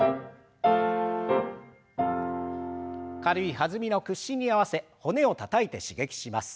軽い弾みの屈伸に合わせ骨をたたいて刺激します。